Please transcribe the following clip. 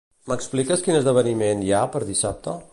M'expliques quin esdeveniment hi ha per dissabte?